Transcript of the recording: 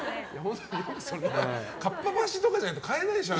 かっぱ橋とかじゃないと買えないでしょ？